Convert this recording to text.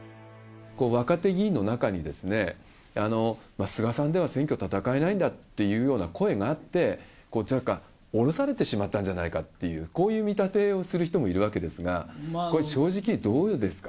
若手議員の中に、菅さんでは選挙戦えないんだっていうような声があって、降ろされてしまったんじゃないかという、こういう見立てをする人もいるわけですが、これ、正直どうですか？